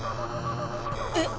えっ